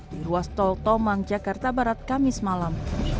di ruas tol tomang jakarta barat kamis malam